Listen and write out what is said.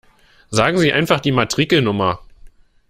Sagen Sie einfach die Matrikelnummer!